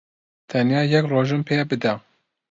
تەنیا یەک ڕۆژم پێ بدە.